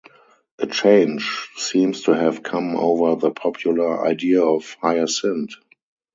A change seems to have come over the popular idea of Hyacinth.